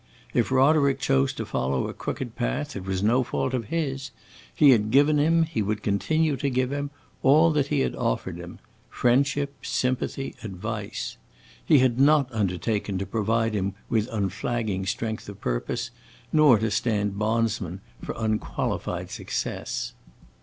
If Roderick chose to follow a crooked path, it was no fault of his; he had given him, he would continue to give him, all that he had offered him friendship, sympathy, advice. He had not undertaken to provide him with unflagging strength of purpose, nor to stand bondsman for unqualified success.